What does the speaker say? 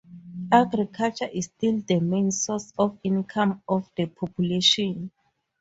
Agriculture is still the main source of income of the population.